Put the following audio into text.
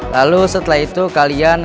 lalu setelah itu kalian